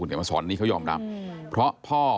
อาจจะมาสอนนี่เขายอมรับ